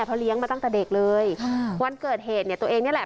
เพราะเลี้ยงมาตั้งแต่เด็กเลยค่ะวันเกิดเหตุเนี่ยตัวเองนี่แหละ